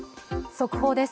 速報です。